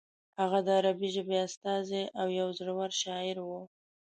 هغه د عربي ژبې استازی او یو زوړور شاعر و.